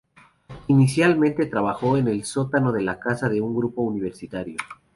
Inicialmente, trabajó en el sótano de la casa de un grupo universitario.